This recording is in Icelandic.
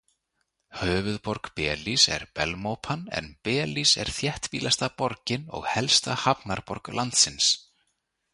Höfuðborg Belís er Belmópan en Belís er þéttbýlasta borgin og helsta hafnarborg landsins.